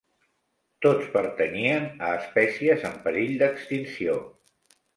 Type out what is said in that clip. Tots pertanyien a espècies en perill d'extinció.